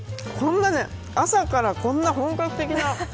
朝から、こんな本格的な。